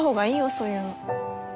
そういうの。